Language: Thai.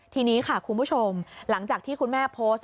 ทีนี้ค่ะคุณผู้ชมหลังจากที่คุณแม่โพสต์